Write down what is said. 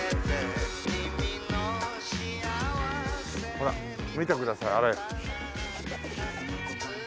ほら見てくださいあれ。